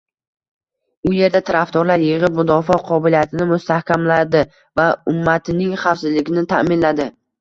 U yerda tarafdorlar yig‘ib, mudofaa qobiliyatini mustahkamladi va ummatining xavfsizligini ta’minladi